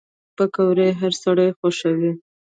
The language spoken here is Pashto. پکورې هر سړی خوښوي